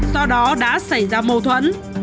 do đó đã xảy ra mâu thuẫn